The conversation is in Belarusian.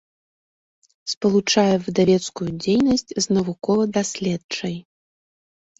Спалучае выдавецкую дзейнасць з навукова-даследчай.